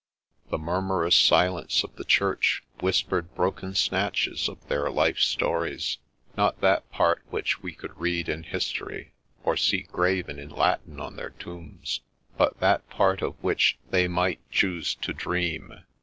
The murmurous silence of the church whispered broken snatches of their life stories — ^not that part which we could read in history, or see graven in Latin on their tombs, but that part of which they might choose to dream.